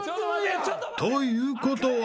［ということは］